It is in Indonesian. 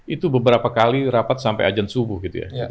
itu beberapa kali rapat sampai ajen subuh gitu ya